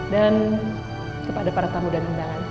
dan kepada para tamu dan undangan